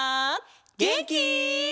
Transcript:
げんき？